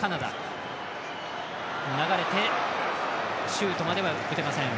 シュートまでは打てません。